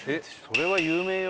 それは有名よ？